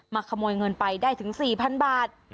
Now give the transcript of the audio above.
ขโมยเงินไปได้ถึง๔๐๐๐บาท